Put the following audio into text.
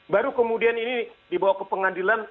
baru kemudian ini dibawa ke pengadilan